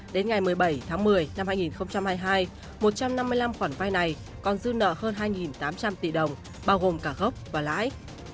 đến ngày một mươi bảy tháng một mươi năm hai nghìn hai mươi hai một trăm năm mươi năm khoản vay này còn dư nợ hơn hai tám trăm linh tỷ đồng bao gồm cả gốc và lãi